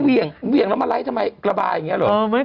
เหวี่ยงแล้วมาแล้วทำไมกระบายเนี่ยเหรอ